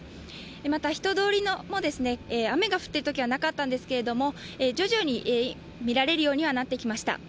また人通りも雨が降っているときは、なかったんですけれども徐々に見られるようにはなってきました。